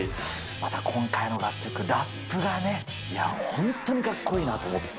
また今回の楽曲、ラップがね、本当にかっこいいなと思って。